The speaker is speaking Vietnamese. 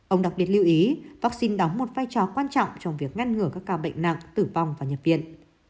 ông đặc biệt lưu ý vaccine đóng một vai trò quan trọng trong việc ngăn ngừa các ca bệnh nặng tử vong và nhập viện